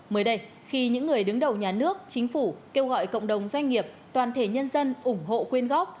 mới đây khi những người đứng đầu nhà nước chính phủ kêu gọi cộng đồng doanh nghiệp toàn thể nhân dân ủng hộ quyên góp